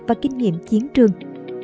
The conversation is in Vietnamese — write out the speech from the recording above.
và kinh nghiệm chiến trường